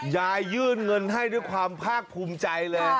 ยายยื่นเงินให้ด้วยความภาคภูมิใจเลย